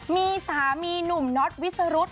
มีสามีหนุ่มน็อตวิสรุธ